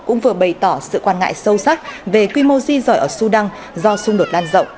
cũng vừa bày tỏ sự quan ngại sâu sắc về quy mô di dời ở sudan do xung đột lan rộng